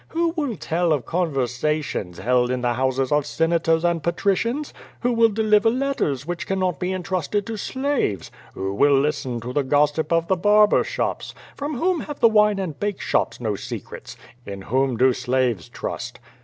Who will tell of conversations held in the houses of Senators and Patricians? Who will deliver letters which cannot be entrusted to slaves? Who will listen to the gossip of the barber shops? From whom have the wine and bake shops no secrets? In whom do slaves trust?